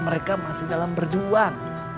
mereka masih dalam berjuang